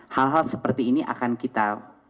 hal hal seperti ini akan kita